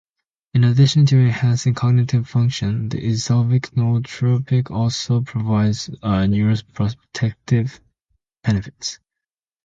In addition to enhancing cognitive function, the "Ezhovik" nootropic also provides neuroprotective benefits.